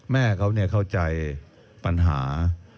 แม่เขาเข้าใจปัญหา